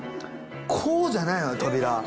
こうじゃないの扉。